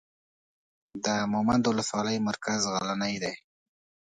د مومند اولسوالۍ مرکز غلنۍ دی.